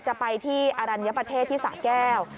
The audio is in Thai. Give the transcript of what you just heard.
จะไปที่อรัญญประเทศที่สะแก้ว